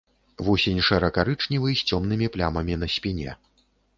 Вусень шэра-карычневы з цёмнымі плямамі на спіне.